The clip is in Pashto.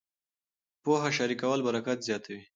پوهه شریکول برکت زیاتوي.